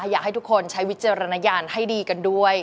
อยากให้ทุกคนใช้วิจารณญาณให้ดีกันด้วย